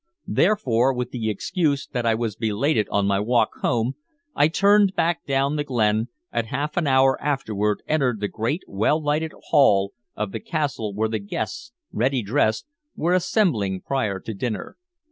Therefore, with the excuse that I was belated on my walk home, I turned back down the glen, and half an hour afterward entered the great well lighted hall of the castle where the guests, ready dressed, were assembling prior to dinner.